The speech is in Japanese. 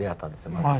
まず。